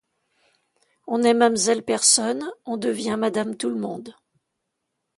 On est mamselle Personne, on devient madame Tout-le-Monde.